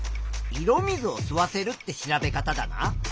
色水を吸わせるって調べ方だな。